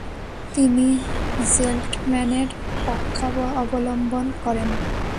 তিনি জেন্টলম্যানের পক্ষাবলম্বন করেন।